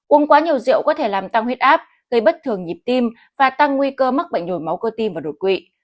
uống quá nhiều rượu có thể làm tăng huyết áp gây bất thường nhịp tim và tăng nguy cơ mắc bệnh nhồi máu cơ tim và đột quỵ